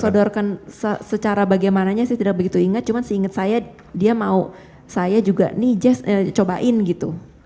sodorkan secara bagaimananya saya tidak begitu ingat cuma seinget saya dia mau saya juga nih jazz cobain gitu